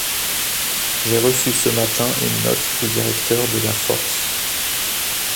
J’ai reçu ce matin une note du directeur de la Force.